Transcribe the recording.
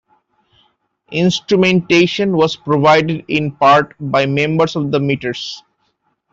Instrumentation was provided in part by members of the Meters.